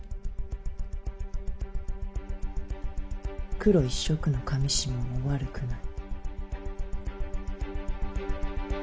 黒一色の裃も悪くない。